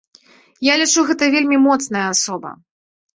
Я лічу, гэта вельмі моцная асоба.